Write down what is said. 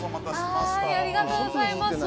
ありがとうございます。